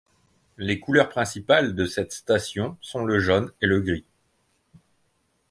Les couleurs principales de cette station sont le jaune et le gris.